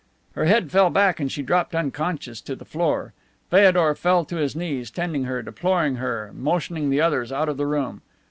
Her head fell back and she dropped unconscious to the floor. Feodor fell to his knees, tending her, deploring her, motioning the others out of the room.